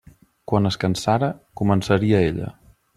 Quan es cansara començaria ella.